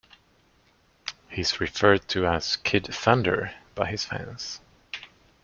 He is referred to as "Kid Thunder" by his fans.